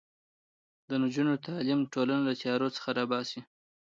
د نجونو تعلیم ټولنه له تیارو څخه راباسي.